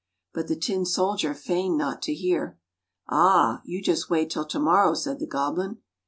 But the tin soldier feigned not to hear. " Ah! you just wait till to morrow," said the goblin.